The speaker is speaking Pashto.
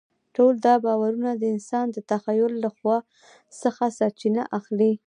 ټول دا باورونه د انسان د تخیل له ځواک څخه سرچینه اخلي.